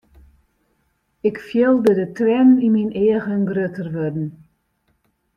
Ik fielde de triennen yn myn eagen grutter wurden.